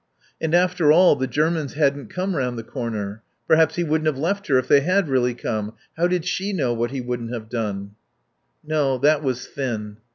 And, after all, the Germans hadn't come round the corner. Perhaps he wouldn't have left her if they had really come. How did she know what he wouldn't have done? No. That was thin.